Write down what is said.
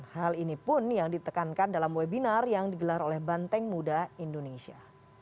hal ini pun yang ditekankan dalam webinar yang digelar oleh banteng muda indonesia